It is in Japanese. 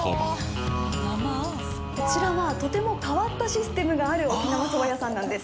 こちらはとても変わったシステムがある沖縄そば屋さんなんです。